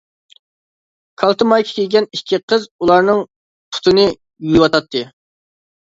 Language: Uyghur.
كالتە مايكا كىيگەن ئىككى قىز ئۇلارنىڭ پۇتىنى يۇيۇۋاتاتتى.